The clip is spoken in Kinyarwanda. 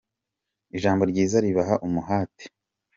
ijambo ryiza ribaha umuhate.